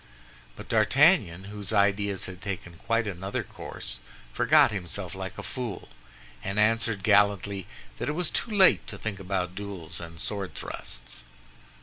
But D'Artagnan, whose ideas had taken quite another course, forgot himself like a fool, and answered gallantly that it was too late to think about duels and sword thrusts.